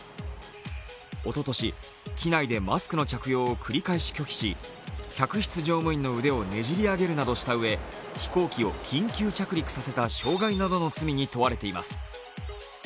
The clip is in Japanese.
おととし、機内でマスクの着用を繰り返し拒否し客室乗務員の腕をねじり上げるなどしたうえ飛行機を緊急着陸させた傷害などの罪に問われています。